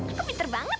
aku pinter banget